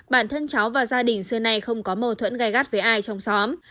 bản thân cháu và gia đình xưa nay không có mâu thuẫn gai gắt với ai trong xóm